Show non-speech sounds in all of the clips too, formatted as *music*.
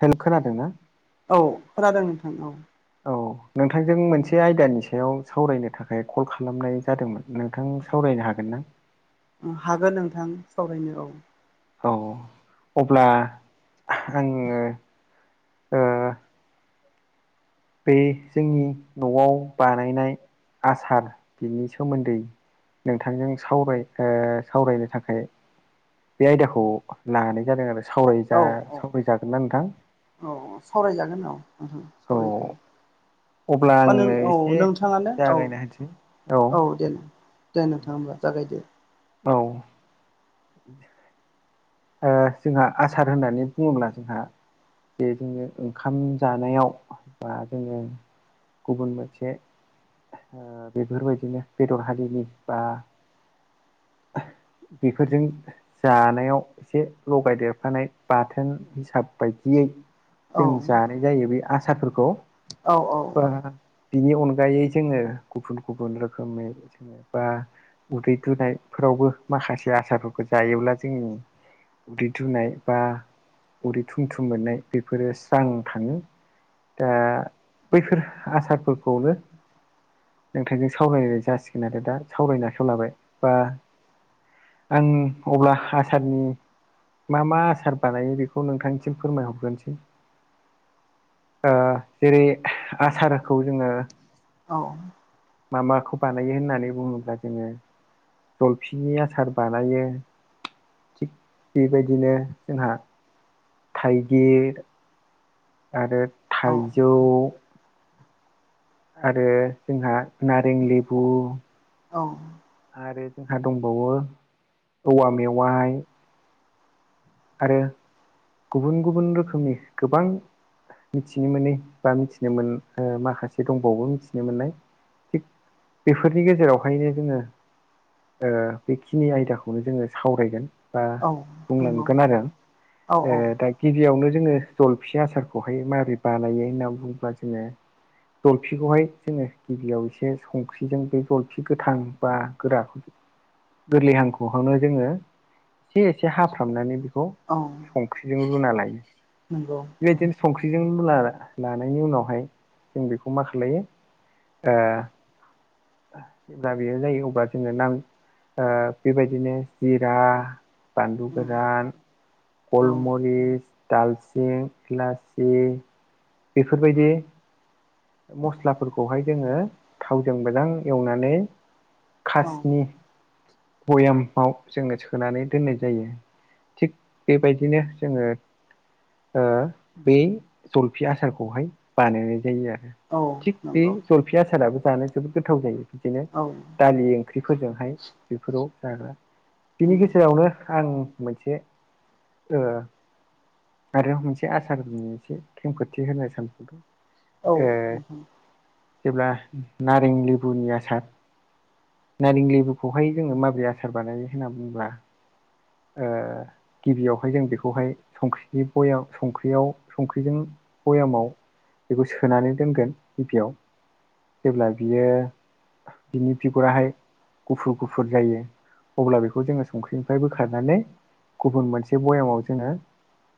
*unintelligible* खोनादों ना? औ खोनादों नोंथां औ। औ नोंथांजों मोनसे आयदानि सायाव सावरायनो थाखाय कल खालामनाय जादोंमोन। नोंथां सावरायनो हागोन ना? हागोन नोंथां सावरायनो औ। औ औ अब्ला आंङो बै जोंनि न'आव बानायनाय आसार बिनि सोमोन्दै नोंथांजों सावराय ओ सावरायनो थाखाय बे आयदाखौ लानाय जादों आरो सावराय औ जा सावराय जागोनना नोंथां? औ औ सावरायजागोन औ औ सावरायजागोन। अब्ला ओ नों आङो औ एसे नोंथाङानो औ जागायना होनसै औ दे। दे नोंथाङा होमबा जागायदो। औ। बि ओ जोंहा आसार होननानै बुङोब्ला जोंहा जे जोङो ओंखाम जानायाव बा जोङो गुबुन मोनसे ओ बेफोरबायदिनो बेदर हालिनि बा बेफोरजों जानायाव एसे लगायदेरफानाय बाथोन हिसाब बायदियै औ जों जानो जायो बे आससाफोरखौ औ औ बा बिनि अनगायै जोङो गुबुन गुबुन रोखोमनि बा उदै दुनायफोरावबो माखासे आसारफोरखौ जायोब्ला जोंनि उदै दुनाय बा उदै थुमथुम मोननाय बेफोरो स्रां थाङो। ओ बैफोर आसारफोरखौनो नोंथांजों सावरायनाय जासिगोन आरो दा सावरायनो आखायाव लाबाय बा आं अब्ला हा आसारनि मा मा आसार बानायो बेखौ नोंथांनिसिम फोरमायहरग्रोनसै। ओ जेरै आसारखौ जोङो औ मा माखौ बानायो होननानै बुङोब्ला जोङो जलफिनि आसार बानायो। थिग बेबायदिनो जोंहा थाइगिर आरो औ थाइजौ आरो जोंहा नारें लेबु औ आरो जोंहा दंबावो औवा मेवाहाय आरो गुबुन गुबुन रोखोमनि गोबां मिथिनो मोनै बा मिथिनो मोन ओ माखासे दंबावो मिथिनो मोननाय थिग बेफोरनि गेजेरावहायनो जोङो ओ बेखिनि आयदाखौनो जोङो सावरायगोन। बा बुंलांगोन आरो औ ओ दा गिबियावनो जोङो जलफि आसारखौहाय माबोरै बानायो होननानै बुङोब्ला जोङो जलफिखौहाय जोङो गिबियाव एसे संख्रिजों बे जलफि गोथां बा गोरा गोरलै हांखुखौनो जोङो एसे एसे हाफ्रामनानै बेखौ औ संख्रिजों रुना लायो। नंगौ। बेबायदिनो संख्रिजों लानायनि उनावहाय जों बेखौ मा खालायो ओ जेब्ला बेयो जायो अब्ला जोङो नां ओ बेबायदिनो जिरा बानलु गोरान औ गलमरिस दालसिं खलासि बेफोरबायदि मस्लाफोरखौहाय जोङो थावजों मोजां एवनानै औ खासनि भयामाव जोङो सोनानै दोननाय जायो। थिग बेबायदिनो जोङो ओ बे जलफि आसारखौहाय बानायनाय जायो आरो। नंगौ औ थिग बे नंगौ जलफि आसाराबो जानो जोबोद गोथाव जायो बिदिनो औ नंगौ दालि ओंख्रिफोरजोंहाय बेफोराव जाग्रा बिनि गेजेरावनो आं मोनसे ओ आरो मोनसे आसार एसे खेंफोथि होनो सानबावदों औ ओ नोंथां जेब्ला नारें लेबुनि आसार नारें लेबुखौहाय जोङो माबोरै आसार बानायो होनना बुंङोब्ला ओ गिबियावहाय जों बेखौहाय संख्रिनिय संख्रियाव संख्रिजों भयामाव बेखौ सोनानै दोनगोन गिबियाव जेब्ला बियो बिनि बिगुराहाय गुफुर गुफुर जायो अब्ला बेखौ जोङो संख्रिनिफ्रायबो, बोखारनानै गुबुन मोनसे बयामाव जोङो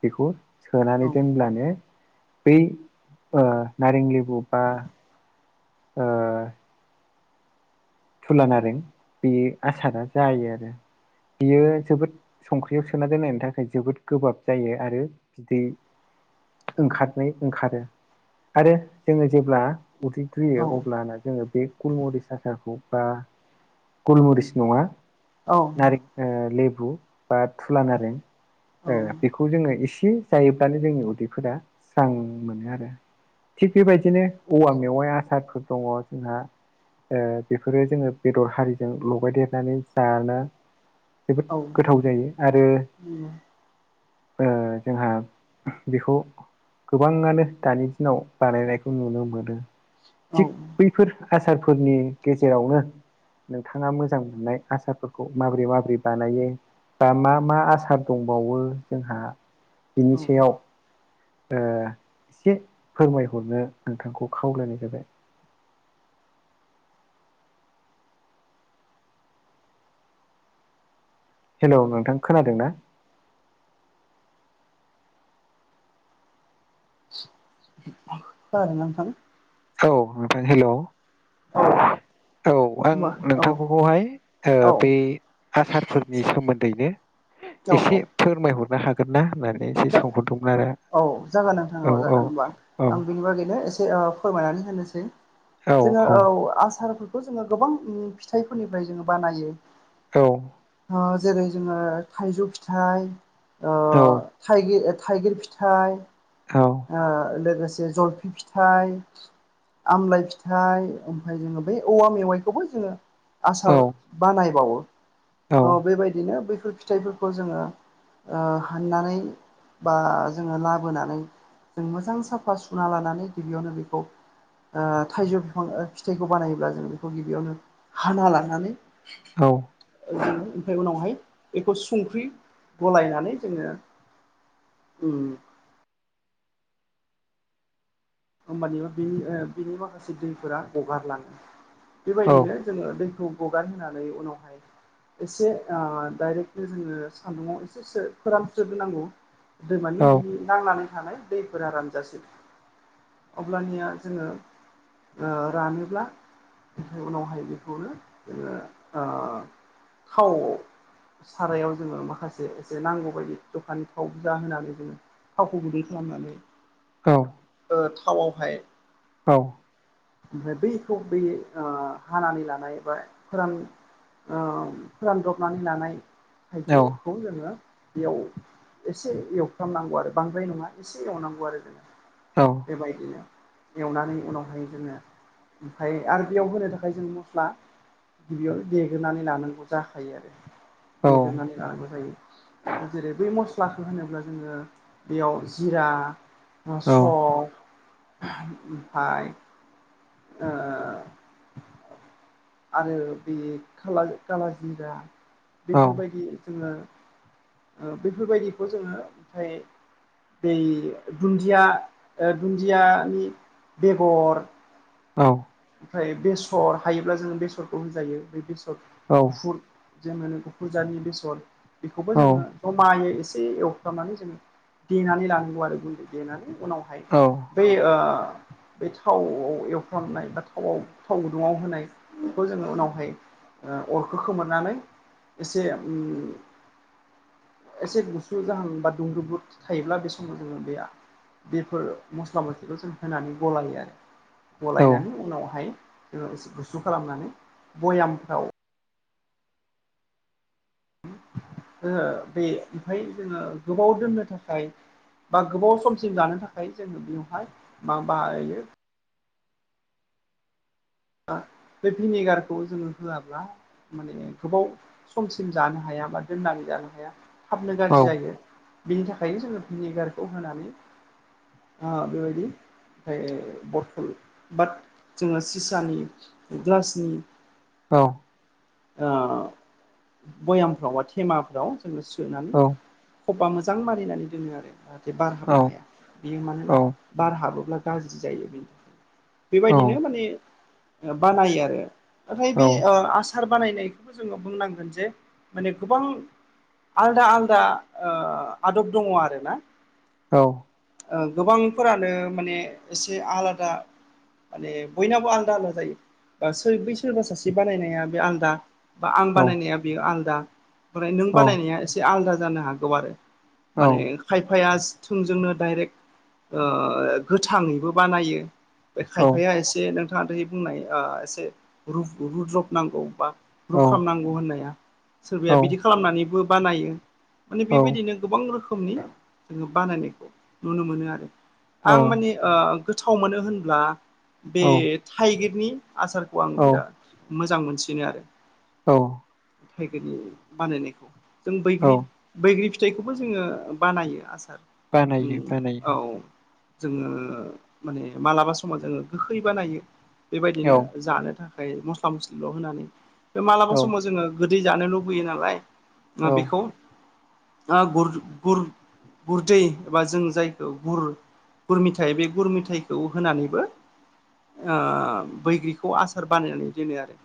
बेखौ, औ सोनानै दोनब्लानो बै नारें लेबु बा ओ थुलानारें बे आसारा जायो आरो बियो जोबोद, संख्रियाव सोना दोननायनि थाखाय जोबोद गोब्राब जायो आरो बिदै, ओंखारनाय ओंखारो आरो जोङो जेब्ला उदै, औ उन्दैदुयो अब्लाना जोङो बे गुलमरिस आसारखौ बा गुलमरिस नङा, औ। नारेग ओ लेबु बा थुला नारें औ ओ नंगौ बेखौ जोङो एसे जायोब्लानो जोंनि उदैफोरा स्रां मोनो आरो। थिग बेबायदिनो औवा मेवाइ आसारफोर दङ जोंहा ओ बेफोरो जोङो बेदर हारिजों लगाय देरनानै जानो जोबोद गोथाव जायो। आरो ओ जोंहा बेखौ गोबाङानो दानि दिनाव बानायनायखौ नुनो मोनो। थिग बैफोर आसारफोरनि गेजेरावनो नोंथाङा मोजां मोननाय आसारफोरखौ माबोरै माबोरै बानायो। दा मा मा आसार दंबावो जोंहा औ बिनि औ सायाव, ओ एसे फोरमायहरनो नोंथांखौ खावलायनाय जाबाय। हेलौ नोंथां खोनादों ना? खोना दोंना नोंथां, औ हेलौ औ होमबा औ आं औ नोंथांखौहाय ओ औ बे आसारफोरनि सोमोन्दैनो एसे जा फोरमायहरनो हाग हागोन ना होननानै एसे सोंहरदोंमोन आरो औ जागोन नोंथाङा औ जागोन होनबा औ आं बिनि बागैनो एसे अ फोरमायनानै होनोसै जोङो औ आसार बे खौ जोङो गोबां फिथाइफोरनिफ्राय जोङो बानायो। औ जेरै जोङो थाइजौ फिथाइ औ थाइगिर फिथाइ औ ओ लोगोसे जलफि फिथाइ आमलाइ फिथाइ ओमफ्राय जोङो बै औवा मेवाइखौबो जोङो, औ आसार बानायबावो औ बेबायदिनो बैफोर फिथाइफोरखौ जोङो, ओ हाननानै बा जोङो लाबोनानै जों मोजां साफा सुना लानानै गिबियावनो बेखौ ओ थाइजौ बिफां फिथाइखौ बानायोब्ला जों बेखौ गिबियावनो हाना लानानै औ जोङो ओमफ्राय उनावहाय बेखौ संख्रि गलायनानै जोङो, उम ओमानिबा बेनि बेनि माखासे दैफोरा हगारलाङो बेबायदिनो, जोङो दैखौ गारहोनानै उनावहाय, एसे ओ डाइरेक्टलि जोङो सान्दुङाव एसे फोरानस्रोबोनांगौ दैमानि बिनि नांनानै थानाय दैफोरा रानजासेै अब्लानिया जोङो, ओ रानोब्ला ओमफ्राय उनावहाय बेखौनो जोङो, खाव सारायाव जोङो माखासे एसे नांगौ बायदि दखाननि थाव जा होनानै जोङो, थावखौ गुदै खालामनानै, औ थावावहाय औ ओमफ्राय बैखौ बै ओ हानानै लानाय बा फोरान ओ फोरानद्रबनानै लानाय थाइजौ खौ जोङो बेयाव एसे एवफ्रामनांगौ आरो बांद्राय नङा एसे एवनांगौ आरो जोङो औ बेबायदिनो एवनानै उनावहाय जोङो ओमफ्राय आरो बेयाव होनो थाखाय जों मस्ला गिबियावनो देगोनानै लानांगौ जाखायो आरो देगोनानै लानांगौ जायो जेरै बै मस्लाखौ होनोब्ला जोङो बेयाव जिरा स' ओमफाय *unintelligible* आरो बे खालार खालारजिरा बेफोरबायदि जोङो बेफोरबायदिखौ जोङो ओमफ्राय *unintelligible* दुन्दिया दुन्दियानि बेगर औ ओमफ्राय बेसर हायोब्ला जोङो बेसरखौ होनजायो बे बेसर गुफुर जोङो फुजानि बेसर बेखौबो जोङो मायो एसे एवफ्रबनानै जोंङ देनानै लानांगौ आरो गुन्दै देनानै उनावहाय औ बै ब थाव एवफ्र्रननाय बा थावआव थाव गुदुङाव होनाय बेखौ जोङो उनावहाय अरखौ खोमोरनानै एसे एसे गुसु जाहोन बा दुंब्रुद थायोब्ला बे समाव जोङो बेया बेफोर मस्ला मस्लिखौ जों होनानै गलायो आरो औ गलायनानै उनावहाय जोङो एसे गुसु खालामनानै भयामफ्राव जोङो बे ओमफफ्राय जोङो गोबाव दोननो थाखाय बा गोबाव समसिम जानो थाखाय जोङो बेयावहाय मा बाहायो बे भिनेगारखौ जोङो होआब्ला माने गोबाव समसिम जानो हाया बा दोननानै जानो हाया थाबनो गाज्रि जायो बेनि थाखायनो जोङो भिनेगारखौ होनानै बेबायदि ओमफ्राय बथल बाट जोङो सिस *unintelligible* ग्लासनि औ भयामफ्राव बा थेमाफ्राव जोङो सोनानै खबा मोजां मारिनानै दोनो आरो जाहाथे बार हाबनो हाया बियो मानोना बार हाबोब्ला गाज्रि जायो बेनि थाखाय बेबायदिनो माने बानायो आरो नाथाय बे सार बानायनायखौबो जोङो बुंनांगोन जे माने गोबां आलदा आलदा आदब दङ आरोना औ गोबांफोरानो माने एसे आलादा माने बयनाबो आलदा आलदा जायो ब बै सोरबा सासे बानायनाया आलदा बा आं बानायनाया बेयो आलदा नों बानायनाया एसे आलदा जानो हागौ आरो माने खायफाया थोंजोंनो डाइरेक्ट गोथाङैबो बानायो बे खायफाया एसे नोंथाङा दि बुंनाय एसे र रुद्रब नांगौ बा रुफ्रामनांगौ होननाया सोरबाया बिदि खालामनानैबो बानायो माने बेबायदिनो गोबां रोखोमनि जोङो बानायनायखौ नुनो मोनो आरो आं माने गोथाव मोनो होनब्ला बे औ थाइगिरनि आसारखौ आं बिराद मोजां मोनसिनो आरो औ थाइगिरनि बानायनायखौ जों औ बैग्रि बैग्रि फिथाइखौबो जोङो बानायो आसार बानायो उम औ बानायो जोङो माने मालाबा समाव जोङो गोखै बानायो औ बेबायदिनो जानो था ओमफ्राय मस्ला मस्लिल' होनानै बे औ मालाबा समाव जोङो गोदै जानो लुबैयो नालाय औ ओ बेखौ ओ गुर गुर गुरदै एबा जों जायखौ गुर गुर मिथाइ बे गुर मिथाइखौ होनानैबो ओ बैग्रिखौ आसार बानायनानै दोनो आरो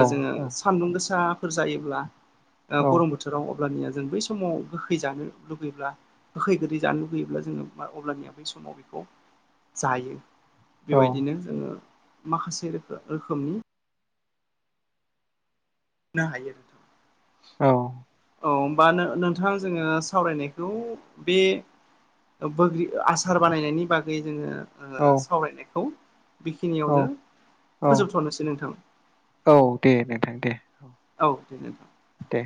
औ जोङो सान्दुं गोसाफोर जायोब्ला गरम बोथोराव अब्लानिया जों बै समाव गोखै जानो लुुबैब्ला गोखै गोदै जानो लुुबैयोब्ला जोङो अब्लानिया बै समाव बेखौ जायो बेबायदिनो जोङो माखासे रोखोमनि ना हायो औ औ हबा नोंथां जोङो सावरायनायखौ बे बैग्रि आसार बानायनायनि बागै जोङो सावरायनायखौ औ बेखिनियावनो औ औ फोजोबथ'नोसै नोंथां औ दे नोंथां दे औ दे दे। दे